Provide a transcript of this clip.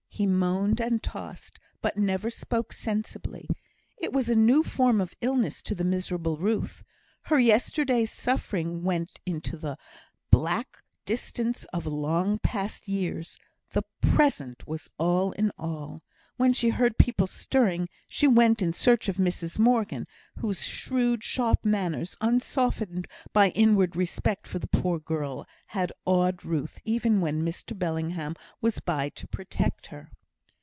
He moaned and tossed, but never spoke sensibly. It was a new form of illness to the miserable Ruth. Her yesterday's suffering went into the black distance of long past years. The present was all in all. When she heard people stirring, she went in search of Mrs Morgan, whose shrewd, sharp manners, unsoftened by inward respect for the poor girl, had awed Ruth even when Mr Bellingham was by to protect her.